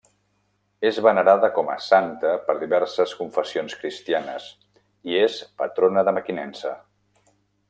És venerada com a santa per diverses confessions cristianes i és patrona de Mequinensa.